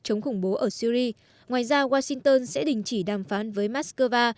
chống khủng bố ở syri ngoài ra washington sẽ đình chỉ đàm phán với moscow